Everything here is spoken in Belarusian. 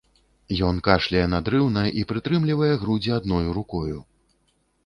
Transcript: Ён кашляе надрыўна і прытрымлівае грудзі адною рукою.